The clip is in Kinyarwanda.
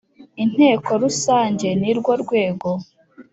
Inteko rusange nirwo rwego